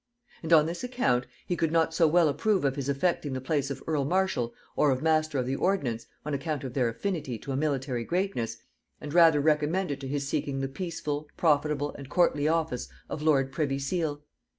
And on this account he could not so well approve of his affecting the place of earl marshal or master of the ordnance, on account of their affinity to a military greatness, and rather recommended to his seeking the peaceful, profitable and courtly office of lord privy seal.